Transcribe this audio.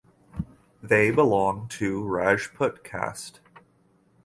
They belong to Rajput caste.